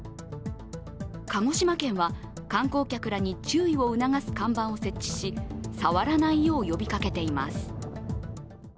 鹿児島県は観光客らに注意を促す看板を設置し触らないよう呼びかけています。